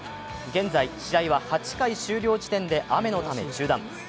現在試合は８回終了時点で雨のため中断。